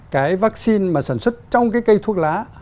cái vaccine mà sản xuất trong cái cây thuốc lá